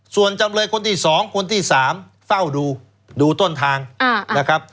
ส่วนจำเลยคนที่๒คนที่๓เฝ้าดูดูต้นทางนะครับ